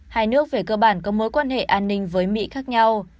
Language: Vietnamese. hai nước về cơ bản có mối quan hệ an ninh với mỹ khác nhau